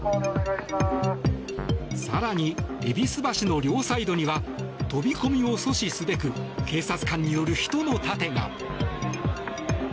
更に戎橋の両サイドには飛び込みを阻止すべく警察官による人の盾が。